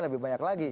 lebih banyak lagi